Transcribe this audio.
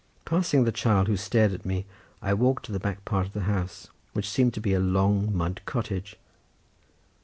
Passing the child who stared at me, I walked to the back part of the house, which seemed to be a long mud cottage.